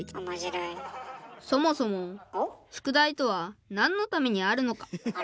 そもそも宿題とは何のためにあるのか。